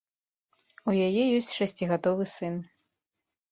У яе ёсць шасцігадовы сын.